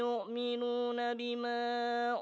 oh mengaget pak